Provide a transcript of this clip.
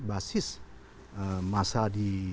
basis masa di